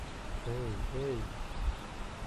Эй-эй!